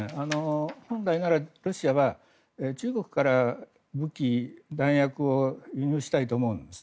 本来ならロシアは中国から武器、弾薬を輸入したいと思うんです。